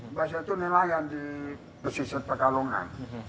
mbak saya itu nelayan di pesisir pekalongan